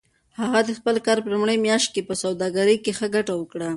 هغه د خپل کار په لومړۍ میاشت کې په سوداګرۍ کې ښه ګټه وکړه.